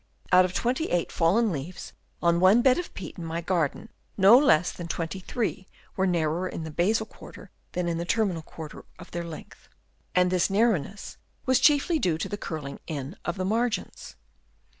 Out of 28 fallen leaves on one bed of peat in my garden, no less than 23 were narrower in the basal quarter than in the terminal quarter of their length; and this narrowness was 72 HABITS OF WOEMS. Chap. II. chiefly due to the curling in of the margins.